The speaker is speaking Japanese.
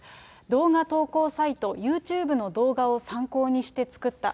動画投稿サイト、ユーチューブの動画を参考にして作った。